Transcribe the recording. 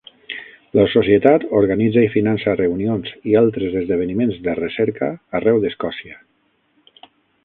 La societat organitza i finança reunions i altres esdeveniments de recerca arreu d'Escòcia.